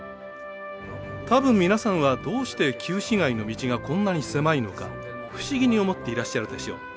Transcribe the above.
多分皆さんはどうして旧市街の道がこんなに狭いのか不思議に思っていらっしゃるでしょう。